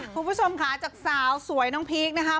คุณผู้ชมค่ะจากสาวสวยน้องพีคนะคะ